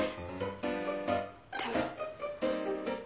でも。